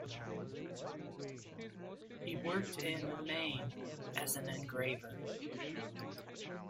He worked in Maine as an engraver.